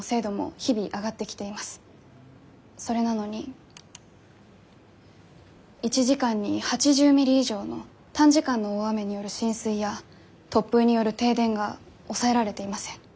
それなのに１時間に８０ミリ以上の短時間の大雨による浸水や突風による停電が抑えられていません。